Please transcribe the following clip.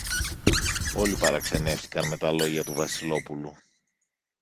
Όλοι παραξενεύθηκαν με τα λόγια του Βασιλόπουλου.